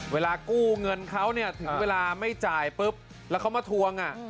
เวลากู้เงินเขาเนี่ยถึงเวลาไม่จ่ายปุ๊บแล้วเขามาทวง